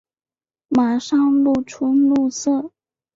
马上露出怒色